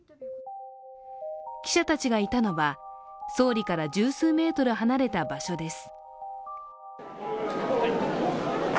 記者たちがいたのは、総理から十数メートル離れた場所です。